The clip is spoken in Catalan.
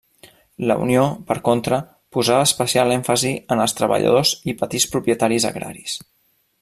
La Unió, per contra, posava especial èmfasi en els treballadors i petits propietaris agraris.